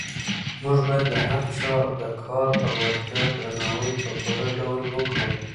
موږ باید د هر چا د کار او وړتیا درناوی په پوره ډول وکړو.